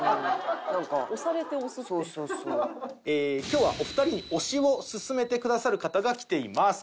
今日はお二人に推しを勧めてくださる方が来ています。